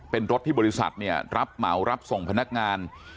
เป็นรถที่บริษัทเนี่ยรับเหมารับส่งพนักงาน